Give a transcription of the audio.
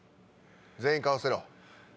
全員顔伏せろ。